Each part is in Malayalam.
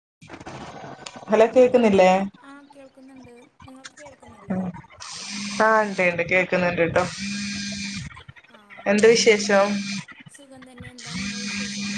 [inaudible] ഹലോ കേക്കുന്നില്ലേ ആ കേൾക്കുന്നുണ്ട് നിങ്ങൾക്ക് കേൾക്കുന്നില്ലേ ആഹ് ഉണ്ട് ഉണ്ട് കേക്കുന്നുണ്ട് ട്ടോ ആഹ് എന്ത് എ വിശേഷം സുഖം തന്നെ എന്താ നിങ്ങളെ വിശേഷം?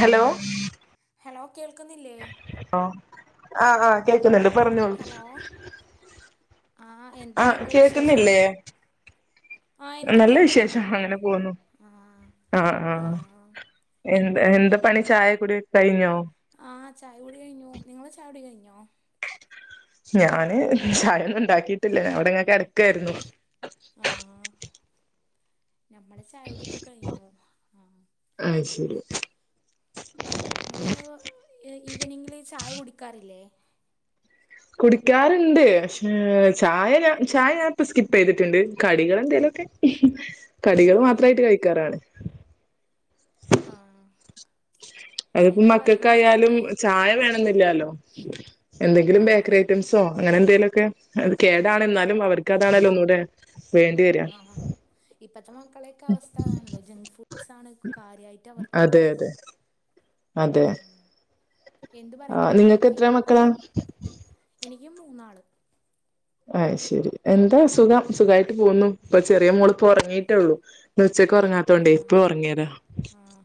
ഹലോ ഹലോ കേൾക്കുന്നില്ലേ? ആഹ് ആഹ് കേൾക്കുന്നുണ്ട് പറഞ്ഞോളൂ ഹലോ ആ എന്താ ആഹ് നിങ്ങളെ വിശേഷം കേക്കുന്നില്ലേ ആ എനിക്ക് നല്ല കേൾക്കുന്നുണ്ട് വിശേഷം അങ്ങനെ പോവുന്നു ആ ആഹ് ആ ആഹ് എന്ത എന്താ പണി ചായ കുടി കഴിഞ്ഞോ? ആഹ് ചായ കുടി കഴിഞ്ഞു നിങ്ങളെ ചായ കുടി കഴിഞ്ഞോ? ഞാന് ചായൊന്നും ഉണ്ടാക്കിട്ടില്ല ഞാനിവിടിങ്ങനെ കിടക്കായിരുന്നു [inaudible] ഞമ്മള ചായകുടിയൊക്കെ കഴിഞ്ഞു ആ അയ് ശരി നിങ്ങള് ഈവനിംഗില് ചായ കുടിക്ക് ക്കാറില്ലേ കുടിക്കാറുണ്ട് പക്ഷേ ചായ ഞ ചായ ഞാൻപ്പ സ്കിപ്പ് ചെയ്തിട്ടുണ്ട് കടികൾ എന്തേലൊക്കെ ആ കടികൾ മാത്രമായിട്ട് കഴിക്കാറാണ് ആ അതിയിപ്പോ എന്ത് പറയുന്നു മക്കളെക്കായാലും മക്കളൊക്കെ ചായ വേണമെന്നു. ഇല്ലാലോ എന്തെങ്കിലും ആ ബേക്കറി ഐറ്റംസോ. അങ്ങനെ എന്തേലൊക്കെ. അത് കേടാണ ആഹ് എന്നാലും അവർക്ക് അത്. ഇതാണേൽ ഒന്നൂടെ. വേണ്ടി വരുക. ആഹ് ഇപ്പത്തെ നമ്മടെ മക്കളെക്കെ അവസ്ഥ ആതാണല്ലോ, ജങ്ക് ഫുഡ്സ് ആണ് കാര്യമായിട്ട് അവർക്ക് അതെ വേണ്ടത്. അതെ എന്ത് പറയുന്നു ആഹ് നിങ്ങൾക്ക് മക്കളൊക്കെ എത്ര മക്കളാ. എനിക്ക് മൂന്നാള് അത് ശരി എന്താ സുഖം സുഖമായിട്ട് പോകുന്നു ഇപ്പൊ ചെറിയ മോളും. ഉറങ്ങീട്ടുള്ളൂ ഉച്ചക്ക് ഉറങ്ങാത്തോണ്ടേ ആഹ് ഇപ്പൊ ഉറങ്ങിയതാ. ആഹ്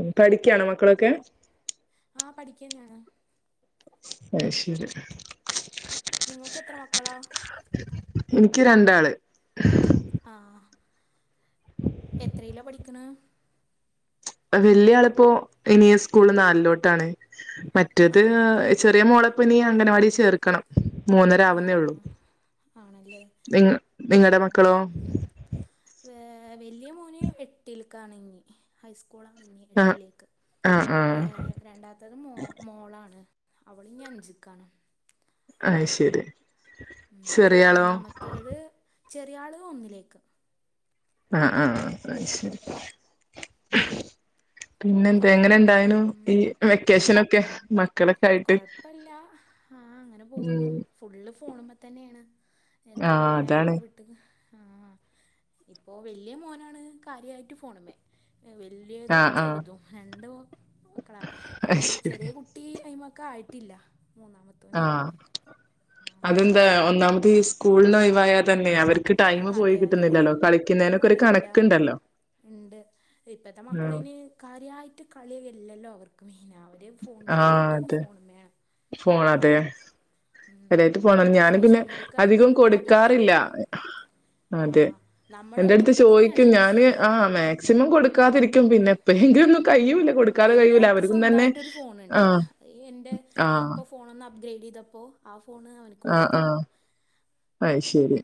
ഉം പഠിക്കാനോ മക്കളൊക്കെ. ആഹ് പഠിക്കാ തന്നെയാണ്. അത് ശരി നിങ്ങൾക്ക് എത്ര മക്കളാ. എനിക്ക് രണ്ടാള്. ആ എത്രയിലാ പഠിക്കണ് വല്യ ആളിപ്പോ ഇനി സ്കൂൾല് നാലിലോട്ടാണ് മറ്റേത് ആഹ് ചെറിയ മോള് ഇപ്പൊ ഇനി അംഗനവാടി ചേർക്കണം മൂന്നര ആവുന്നേയുള്ളു ആഹ് ആണല്ലേ നിങ്ങ നിങ്ങടെ മക്കളോ? ക്കാണിന്നി ഹൈസ് കൂളാണിനി ആഹ് എട്ടിലേക്ക് ആഹ് ആഹ് ഏഹ് രണ്ടാമത്തത് മോ മോളാണ് അവളിനി അഞ്ചിക്കാണ് അത് ശരി ഉം ചെറിയാളോ മൂന്നാമത്തത് ചെറിയാള് ഒന്നിലേക്ക് ആഹ് അ അ അത് ശരി പിന്നെ എന്താ എങ്ങനെ ഇണ്ടായിനു ഉം ഈ വെക്കേഷനൊക്കെ മക്കളൊക്കെ ആയിട്ട് കൊഴപ്പല്ല ആ അങ്ങനെ ഉം പോകുന്നു ഫുള്ള് ഫോണുമ്മ തന്നെയാണ് എന്താ ആഹ് പറയാ അതാണ് നമുക്ക് വിട്ട് ആഹ് ഇപ്പോ വലിയ മോനാണ് കാര്യായിട്ട് ഫോണുമ്മേ വലിയതും ആഹ് ആഹ് ചെറുതും രണ്ട് മക്കളാ അയ് പിന്നെ ചെറിയ ശരി കുട്ടി [unintelligible] ക്കായിട്ടില്ല ആഹ് അതെന്താ ഒന്നാ ഈ സ്കൂളില് ഒയിവായാൽ തന്നെ അവർ അതെ അതെ ആ ഒരു ഇല്ല കണക്കുണ്ടല്ലോ ഇണ്ട് ഇപ്പത്തെ ഉം മക്കളയ്ന് കാര്യമായിട്ട് കളിയില്ലല്ലോ റക്കമേ പിന്നെ അവർ ഫോൺ ഫുൾ ആഹ് ടൈം അതെ ഫോണുമ്മയാ ഫോൺ അതെ അരായിട്ട് പോണം ഇപ്പോൾ ഞാന് പിന്നെ സോഷ്യൽ മീഡിയക്ക് അധികം കൊടുക്കാറില്ല അഡിക്റ്റാണ് അതെ നമ്മളും എന്റെ അടുത്ത് അങ്ങനെയൊക്കെ തന്നെയാണ് ചോദിക്കും പക്ഷേ ഞാന് ആ മാക്സിമം കൊടുക്കാതിരിക്ക ട്ടും പിന്നെ ഏപ്പഴ് ആ വല്ല്യായാൾക്ക് തന്നെ സ്വന്തായിട്ടൊരു ഫോണ് ഉണ്ട് ആഹ് എൻ്റെ ഞാ ആഹ് ഇപ്പോ ഫോണന്ന അപ്പ് ഗ്രേഡ് ചെയ്തപ്പോ ആഫ് ഫോണ് അവനിക്ക് ആഹ് കൊടുത്തു ആഹ് അത് ശരി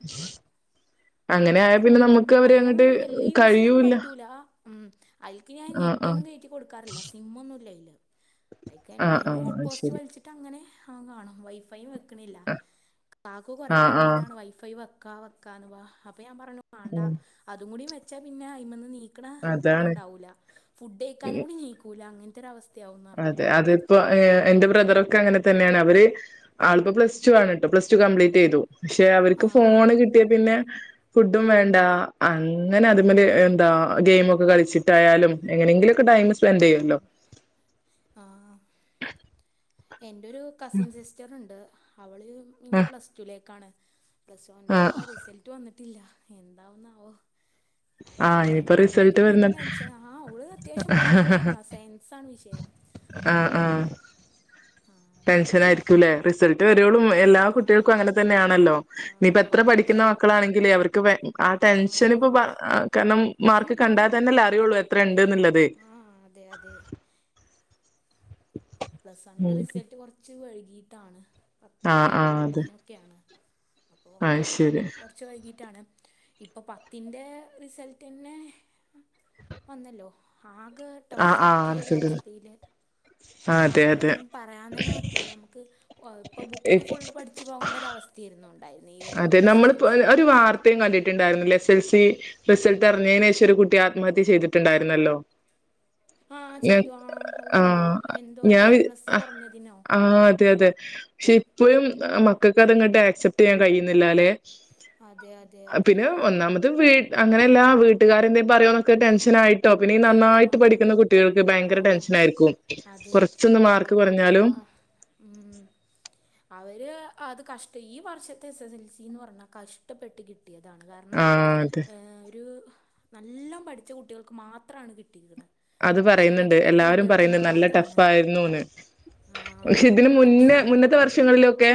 അങ്ങനെ ആയാ പിന്നെ അധികം നമുക്ക് അവരെ അധികം അങ്ങട്ട് വല്ല്യയ യൂസ് ചെയ്യുന്നൊന്നും കഴിയൂല്ല പറ്റൂല ഉം അതിക്ക് ഞാൻ ആഹ് ആഹ് നെറ്റൊന്നും കയറ്റി കൊടുക്കാറില്ല സിം ഒന്നും ഇല്ല അയില് ഐക്ക് ആഹ് എൻ്റേന്ന് ആഹ് ഹോസ് അത് പോർട്ട് ശരി വലിച്ചിട്ട് അങ്ങനെ ആ കാണാം വൈഫൈയും വെ ക്കണ് ഇല്ല കാക്കു കൊറ ആഹ് ആഹ് പറഞ്ഞതാണ് വൈഫൈ വെ കാവക്കാണ് വാ അപ്പൊ ഞാൻ പറഞ്ഞു വേണ്ടാ ഉം അതുംകൂടി വെ ച്ച പിന്നെ അയ്മമ്മന്ന് നീ അതാണ് ണ്ടവൂല്ല ഫുഡ്ക്കാനും കൂടി നീക്കൂലക്കനെ ഇര അവസ്ഥ അതെ അതെ ഇപ്പൊ എന്റെ ബ്രദറൊക്കെ അങ്ങനെ തന്നെയാണ് അവര് ആളിപ്പോൾ പ്ലസ് ടു ആണ് കേട്ടോ പ്ലസ് ടു കംപ്ലീറ്റ് ചെയ്തു പക്ഷെ അവർക്ക് ആഹ് ഫോണ് കിട്ടിയ പിന്നെ ഫുഡും വേണ്ട അങ്ങനെ അതു മേല് എന്താ ഗെയിമൊഒക്കെ കളിച്ചിട്ടായാലും എങ്ങനെങ്കിലും ഓക്കെ ടൈം സ്പെൻഡ് ചെയ്യുമല്ലോ ആ എന്റെ ഒരു കസിൻ സിസ്റ്റർ ഉണ്ട് അവള് ഇനി പ്ലസ്ടുലേക്കാണ് പ്ലസ് ആ വണ്ണിന്റെ റിസൾട്ട് വന്നിട്ട് ഇല്ല എന്താവ്ന്നാവോ ആ അങ്ങനെ ഇനിയിപ്പോ ഓൾക്ക്പ്പോ റിസൾട്ട് വരുന്ന പെരും ടെൻഷന ആ ഓള് അത്യാവശ്യം പഠിക്കണ ആളാ സയൻസ് ആണ് വിഷയം ആ ആ ആ ടെൻഷന ആയിരി ത്ത്ലെ റിസൾട്ട് വ കുട്ടികളും എല്ലാ ആ കുട്ടികൾക്കു അങ്ങനെ തന്നെയാണല്ലോ ഇനിയിപ്പ ആ എത്ര ഇപ്പോൾ പഠിക്കുന്ന മക്കളാണെങ്കിലേ അവർക്ക് ആ ടെൻഷൻ ആ ഇപ്പൊ കാരണം മാർക്ക് കണ്ടാ അതുണ്ടാവും തന്നെല്ലേ അറിയുള്ളൂ എത്ര ണ്ട്ന്നുള്ളത് ആ അതെ അതെ പ്ലസ് വൺന്റെ റിസൾട്ട് കുറച്ച് വൈ ഗീട്ടാണ് പത്ത് ജൂൺ പത്തിനൊക്കെയാണ് അഹ് ശരി ഇപ്പൊ പത്തിന്റെ റിസൾട്ടന്നെ വന്നല്ലോ ആകെ ആ ടഫ് ആ ആക്കിയൊരവസ്ഥയില് ആ അതെ അതെ മക്കളെയൊന്നും പറയാ തന്നെ പറ്റൂല നമുക്ക് ഓ അഹ്പ്പോ ബുക്ക് ഫുള്ള് പഠിച്ച് പോകേണ്ട ഒരവസ്ഥയായിരുന്നു. അതെ നമ്മളിപ്പോ ഒരു ഒരു വാർത്തയും കണ്ടിട്ടുണ്ടായിരുന്നില്ല എസ് എൽസി റിസൾട്ട് അറിഞ്ഞേന് ശേഷം ഒരു കുട്ടി ആത്മഹത്യ ചെയ്തിട്ടുണ്ടായിരുന്നല്ലോ ആ ഞാ ചെയ്തു ആ അത് ആ കണ്ടു എന്തോ ഞാൻ എ വി പ്ലസ് ഹ കുറഞ്ഞതിനോ ആഹ് അതെ അതെ പക്ഷെ ഇപ്പോഴും മക്കൾക്ക് അതങ്ങട്ട് ആക്സെപ് യ്യാൻ കഴിയുന്നില്ല ല്ലേ അതെ അതെ അതെ പിന്നെ ഒന്നാമത് വീ അങ്ങനെല്ലാ വീട്ടുകാരെന്തെ പറയന്നൊക്കെ ടെഷൻ ആയി ട്ടോ പിന്നെയീ നന്നായിട്ട് ആഹ് പഠിക്കുന്ന കുട്ടികൾക്ക് ഭയങ്കര ആഹ് ടെൻഷൻ ആയിരിക്കും അതെ കുറച്ചൊന്ന് മാർക്ക് അതെ കുറഞ്ഞാലും ഒരുപാ ഉം അവര് അത് കഷ്ടി ഈ വർഷത്തെ എസ് എസ് എൽ സിന്ന് പറഞ്ഞാൽ കഷ്ടപ്പെട്ട് കിട് ട്ടിയതാണ് കാരണം ആഹ് അതെ ഏ ഒരു നല്ലോം പഠിച്ച കുട്ടികൾക്ക് മാത് ത്രാണ് കിട്ടിക്കണേ അത് പറയുന്നുണ്ട് എല്ലാവാരും പറയുന്നു നല്ല ടഫ് മാത്രമാണ് ആായിരുന്നുന്ന് പക്ഷെ ഇതിന് മുന്നേ എക്സാമും മുന്നത്തെ വർഷങ്ങളിലൊക്കെ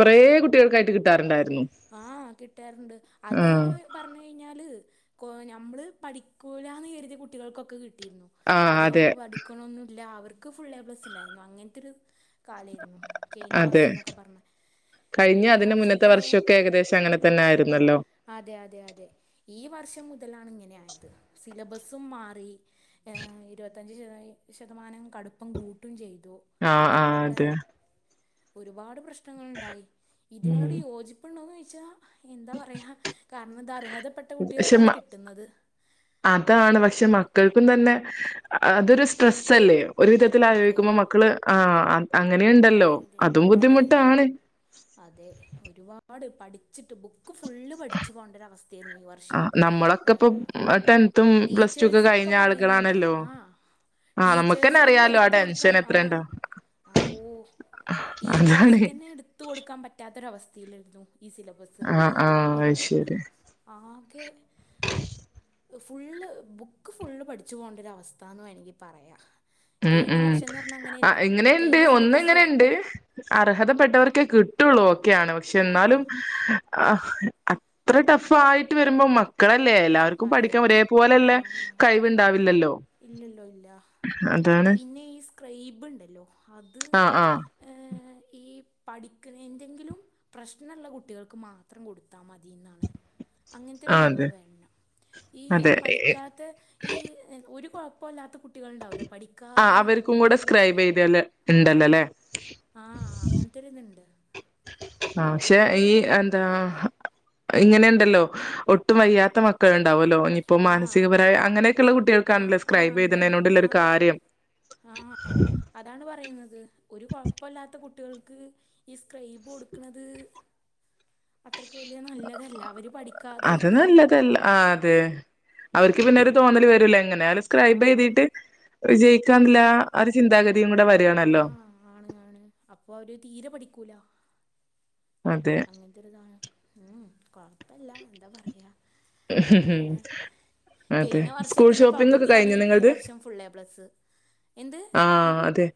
കുറെ കുട്ടികൾക്കായിട്ട് കിട്ടറുണ്ടായിരു ആ കിട്ടാറിണ്ട് അത് ആഹ് ന്ന് പറഞ്ഞു കഴിഞ്ഞാല് ക്കോ ഞ്ഞമ്മള്പഠിക്കൂലാന്ന് കരുതിയ കുട്ടികൾക്കൊക്കെ കി ട്ടീരുന്നു ആഹ് അധികം അതെ പഠിക്കണോന്നു ഇല്ല അവർ ക്ക് ഫുള്ളേപ്ലസ്സ് ഇണ്ടായിരുന്നു അങ്ങനത്തൊരു കാലേയിരുന്നു കെഴിഞ്ഞ അതെ വർഷന്നൊക്കെ പറഞ്ഞാ കഴിഞ്ഞ കെഴിഞ്ഞ അതിന് മുന്നത്തെ വർഷത്തേ വർഷമൊക്കെ ഏകദേശം അങ്ങനെ തന്നെ ആയിരുന്നല്ലോ അതെ അതെ അതെ ഈ വർഷം മുതലാണ് ഇങ്ങനെ ആയത് സിലബസും മാറി ഏ ഇരുപത്തഞ്ച് ശത ശതമാനം കടുപ്പം കൂട്ടും ചെയ്തു ആ ആ എനിക്കുള്ള അതെ ഒരുപാട് പ്രശ്നം നങ്ങളുണ്ടായി ഉം ഇതിനോട് യോജി- ഊണ് കഴിച്ചാ എന്താ പറയാ കാരണം ഇത് അർഹതപ്പെട്ട പക്ഷെ കുട്ടികൾക്കാണ് മ കിട്ടുന്നത് ക്കൾക്കും തന്നെ അതൊരു സ്ട്രെസ്സ് അല്ലേയോ ഒരു വിധത്തിൽ അതെ ആലോചിക്കുമ്പോൾ മക്കള് ആ- അതെ അതെ അതെ അതെ ഒരുപാട് പഠി പഠിച്ചിട്ട് ബുക്ക് ഫുള്ള് പഠിച്ചു പോണ്ടൊരു അവസ്ഥയായിരുന്നു ഈ വർഷം ആഹ് നമ്മളൊക്കെ ഇപ്പൊ ടെൻത്തും പ്ലസ് ടു ഒക്കെ ടീച്ചേഴ്സൊക്കെ കഴിഞ്ഞ പറയുന്നുണ്ട് ആളുകളാണല്ലോ ആ ആഹ് നമുക്കന്നെ ടീച്ചേഴ്സിനിനെന്നെ അറിയാലോ ആ എടുത്ത് ടെൻഷൻ കൊടുക്കാം എത്രയുണ്ടോ ആ- ഓ അതാണ് ടീച്ചേഴ്സ്ക്കെന്നെ എടുത്ത കൊടുക്കാൻ പറ്റാത്തൊരവസ്ഥ പീരിയഡ് ത്രോ ഈ സിലബസ് ആഹ് ആഹ് ഒരു അത് ശരി ആകെ- ഫുള്ള് ബുക്ക് ഫുള്ള് പഠിച്ച് പോണ്ടൊരു അവസ്ഥാന്ന് വേണമെങ്കിൽ പറയാം ഉം കഴിഞ്ഞ ഉം വർഷം എന്ന് പറഞ്ഞാൽ ആ അങ്ങനെയല്ല എങ്ങനെ- ണ്ട് കഴിഞ്ഞ സിലബസ് ഒന്നങ്ങനെണ്ട് അർഹതപ്പെട്ടവർക്ക്- കിട്ടുള്ളൂ- ഒക്കെയാണ് പക്ഷെ ആ എന്നാലും- ആ അത്ര ടഫ് ആയിട്ട് വരുമ്പോ മക്കളെ- അല്ലേ എല്ലാവർക്കും അതെ പഠിക്കാൻ ഒരേപോലെല്ല ആ കഴിവുണ്ടാവില്ലല്ലോ ഇല്ലല്ലോ ഇല്ല അതാണ് പിന്നെ ഈ സ്ക്രൈബ് ഉണ്ടല്ലോ അത് ആ ആ ഏ- ഈ പഠിക്കുന്ന എന്തെങ്കിലും പ്രശ്നമുള്ള കുട്ടികൾക്ക് മാത്രം കൊടുത്താൽ മതി എന്നാണ്- അങ്ങനത്തെ ഒരു ആ അതെ നിയമം വേണം- ഈ അതെ എ- പഠിക്കാത്ത ഈ- ഒരു കുഴപ്പോല്ലാത്ത കുട്ടി ആ അവർക്കും കൂടെ സ്ക്രൈബ് എഴുതിയാല് ഇണ്ടല്ലല്ലേ ആ അങ്ങനത്തൊര് ഇത്ണ്ട് ആ പക്ഷേ ഈ എന്താ ഇങ്ങനെണ്ടല്ലോ ഒട്ടുവയ്യാത്ത മക്കൾ ഉണ്ടാവല്ലോ ഇപ്പോ ആഹ് മാനസികപരായി അങ്ങനെയൊക്കെയള്ള ആഹ് കുട്ടികൾക്കാണല്ലോ ആഹ് സ്ക്രൈബ് ഉണ്ട് എഴുതുന്നതുകൊണ്ടുള്ളൊരു ആഹ് കാര്യം ത് ഒരു കുഴപ്പില്ലാത്ത കുട്ടി കുട്ടികൾക്ക് ഈ സ്ക്രൈബ് കൊടുക്കണത് അത്രക്ക് വലിയ നല്ലതല്ല അവര് പഠിക്കാതെ അത് നിക്കാണ് നല്ലതല്ല ആ അതെ അവർക്ക് പിന്നൊരു തോന്നല് വരൂല്ലേ ഇങ്ങനെ സ്ക്രൈബ് ആഹ് എഴുതിയിട്ട് വിജയിക്കാന്നുള്ള ആഹ് ആ ഒരു ചിന്താഗതി [unintelligible] കൂടെ വരാണല്ലോ ആഹ് ആണ് ആണ് അപ്പൊ അവര് തീരെ പഠിക്കൂല അതെ അങ്ങനത്തൊരിതാണ് ഉം ക്വ പ്പല്ല എന്താ പറയാ അങ്ങനേണ് അതെ കെയ്ന്ന സ്കൂൾ വർഷത്തിന്റെ ഷോപ്പിംഗ് ഒക്കെ പകുതിയാണ് കഴിഞ്ഞോ ഈ നിങ്ങളത് വർഷം ഫുള്ളേപ്ലെസ് എന്ത് ആ അതെ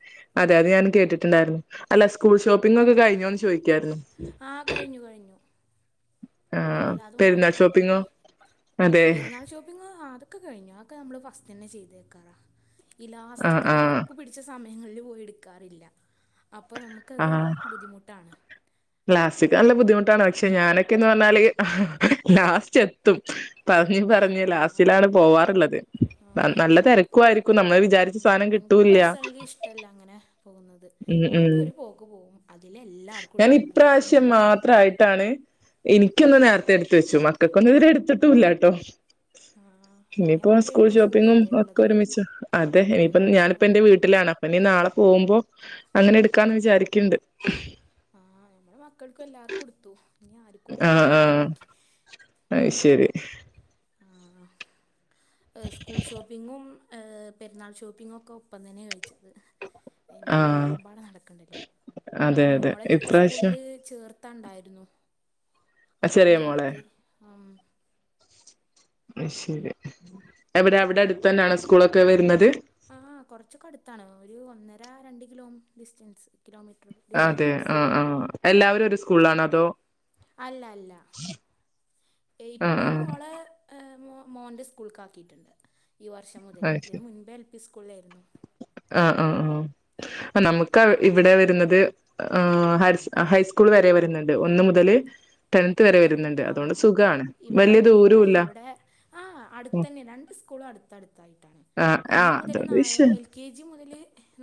അതെ അത് ഞാൻ കേട്ടിട്ട്ണ്ടാരുന്നു അല്ല സ് സ്കൂൾ ഷോപ്പിംഗ് ഒക്കെ കഴിഞ്ഞോന്ന് ചോയിക്കാരുന്നു ആ കഴിഞ്ഞു കഴിഞ്ഞു എല്ലാതും വാങ്ങി അതെ പെരുന്നാൾ ഷോപ്പിംഗ് ആഹ് അത് ഒക്ക കഴിഞ് ആക്ക നമ്മള് ഫസ്റ്റ് തന്നെ ചെയ്ത്ക്കാറാ ഈ ആ ലാസ്റ്റിക് ആ തെരക്ക് പിടിച്ച സമയ ഞങ്ങളിൽ പോയി എടുക്കാറില്ല അപ്പ നമുക്കത് ആ ബുദ്ധിമുട്ടാണ് ട്ടാണ് പക്ഷെ ഞാനെക്കെന്ന് പറഞ്ഞാല് ലാസ്റ്റ് എത്തും പറഞ്ഞ് ആ, പറഞ്ഞ് ലാസ്റ്റിലാണ് പോവാറ്ള്ളത് ആ. നല്ല തെരക്കുവാരിക്കും നമ്മള് വിചാരിച്ച ഉം, സായ്നം എനിക്ക് കിട്ടൂല്യ പേഴ്സണലി ഇഷ്ടമല്ല ഉം ഉം ക്ക് പോവും ഞാൻ ഇപ്രാവശ്യം മാത്രയിട്ടാണ് എനിക്കെന്ന നേരത്തെ എടുത്ത് വെച്ചു മക്കക്കൊന്നും ഇത്വരെ എടുത്തിട്ടുംല്ല ട്ടോ ആ, ഇനി ഇനിപ്പോ ആകെ ഏഴ് സ്കൂൾ ദിവസം ഷോപ്പിങ്ങും കൂടിയല്ലേ ഒക്കെ ഉള്ളത് ഒരുമിച്ച് അതെ ഇനിപ്പം ഏഴ് ദിവസം ഞാനിപ്പം എന്റെ കൂടിയില്ല വീട്ടിലാണ് അപ്പനി നാള പോകുമ്പോ [unintelligible] അങ്ങനെ എടുക്കാന്ന് വിചാരിക്ക്ണ്ട് ആഹ് ഞമ്മടെ മക്കൾക്കും എല്ലാർക്കും ഉടുത്തു ആഹ് ആഹ് അത് ശരി സ്കൂൾ ഷോപ്പിങ്ങും- ആഹ് പെരുന്നാൾ ഷോപ്പിങ്ങൊക്കെ ഒപ്പം തന്നെ കഴിച്ചത്- അയ്ന് ആഹ് രണ്ടിലുംമ്പാട നടക്കണ്ടല്ലോ പിന്നെ അതെ അതെ മോള ച്ച് ഇപ്രാവശ്യം സ്കൂളില് ചേർത്ത് ത്തണ്ടായിരുന്നു ആ അതും ചെറിയ മോളെ ചേർത്തി ആം അശെരി എവിടെ അവിടെ അടുത്തന്നാണോ സ്കൂളൊക്കെ വരുന്നത് ആഹ് കൊറച്ചൊക്കടുത്താണ് ഒരു ഒന്നര രണ്ട് കിലോം ഡിസ്റ്റൻസ് കിലോമീറ്റർ അതെ ഡിസ്റ്റൻസ് ഉണ്ട് ആഹ് ആഹ് എല്ലാവരും ഒരു സ്കൂള്ലാണോ അതോ അല്ല അല്ല ആ ഇപ്പൊ ആ മോള് ഏഹ് മോ മോൻ്റെ സ്കൂൾക്കാക്കിട്ട്ണ്ട് ഈ വർഷം മുതൽ അത് ശരി ഇതിന് മുൻപേ എൽ പി സ്കൂളിലായിരുന്നു ആ ആ ആ നമുക്ക് ഇവിടെ വരുന്നത് ആ ഹൈസ്കൂൾ വരെ വരുന്നുണ്ട് ഒന്ന് മുതൽ ടെൺ ആ ഇവിടെ അങ്ങനെ അല്ല ദൂരവും ഇല്ല ഇവിടെ ആ ഉം. അടുത്തന്നെ രണ്ട് സ്കൂളും അടുത്തടുത്തയിട്ടാണ് ആ ആ ഒന്നുമുതൽ അതുകൊണ്ട് വിഷ നാല് എൽകെജി മുതൽ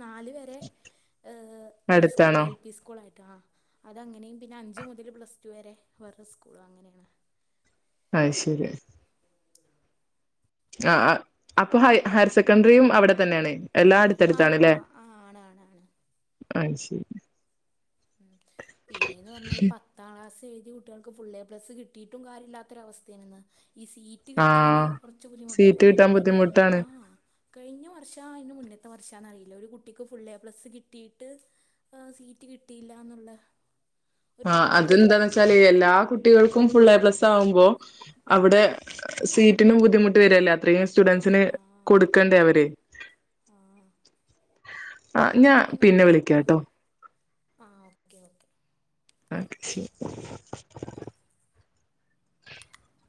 നാല് വരെ ഏഹ് ഒരു സ്കൂൾ അടുത്താണോ എൽ പി സ്കൂൾ ആയി ആ അതങ്ങനെയും പിന്നെ അഞ്ച്മുതൽ പ്ലസ്ടു വരെ വേറെ സ്കൂളും സ്കൂള് അങ്ങനെയാണ് ആഹ് ശരി ആഹ് അപ്പൊ ഹയർ സെക്കൻഡറിയും അവിടെ തന്നെയാണ് ആ ആ എല്ലാടുത്തടുത്താണല്ലേ ആ ആണ് ആണ് ആണ് ആഹ് ശരി പിന്നേന്ന് പറഞ്ഞാ ഈ പത്താം ക്ലാസ് ഏഴുതിയ കുട്ടികൾക്കു ഫുള്ളേപ്ലസ് കിട്ടിയിട്ടും കാര്യല്ലാത്തൊരവസ്ഥയാണിന്ന് ഈ സീറ്റ് കിട്ടാന് ആഹ് കുറച്ച് ബുദ്ധിമുട്ടായി ഇപ്പ സീറ്റ് കിട്ടാൻ കണ്ടില്ലേ ബുദ്ധിമുട്ടാണ് ആഹ് കഴിഞ്ഞ വർഷോ അതിന് മുന്നത്തെ ത്ത വർഷാന്ന് അറിയില്ല ഒരു കുട്ടിക്ക് ഫുൾ പ്ലസ് കിട്ടയിട്ട് ആഹ് സീറ്റ് കി കിട്ടയില്ലാന്നുള്ള ആഹ് അതെന്താന്ന് വെച്ചാല് എല്ലാ കുട്ടികൾക്കും ഫുൾ എ പ്ലസ് ആകുമ്പോ അവിടെ സീറ്റിനും ബുദ്ധിമുട്ട് വരെല്ലേ അത്രയും സ്റ്റുഡൻസിന് ആഹ് കൊടുക്കണ്ടേ അവര് ആഹ് ആഹ് ഞാൻ പിന്നെ വിളിക്കാട്ടോ ആ ഓക്കേ ഓക്കേ [unintelligible]